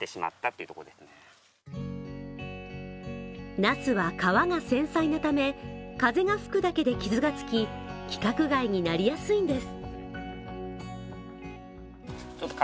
なすは皮が繊細なため、風が吹くだけで傷がつき、規格外になりやすいんです。